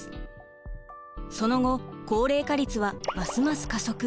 その後高齢化率はますます加速。